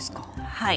はい。